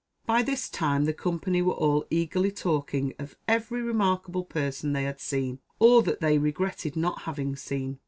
By this time the company were all eagerly talking of every remarkable person they had seen, or that they regretted not having seen.